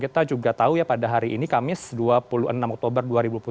kita juga tahu ya pada hari ini kamis dua puluh enam oktober dua ribu dua puluh